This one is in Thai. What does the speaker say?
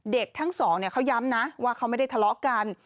ทั้งสองเขาย้ำนะว่าเขาไม่ได้ทะเลาะกัน